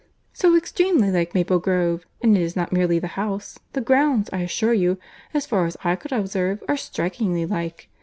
"So extremely like Maple Grove! And it is not merely the house—the grounds, I assure you, as far as I could observe, are strikingly like.